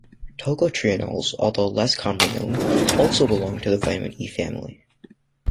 Tocotrienols, although less commonly known, also belong to the vitamin E family.